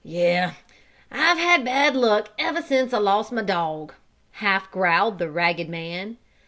"Yes, I've had bad luck ever since I lost my dog," half growled the ragged man.